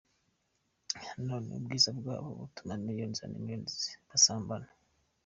None ubwiza bwabo butuma millions and millions basambana.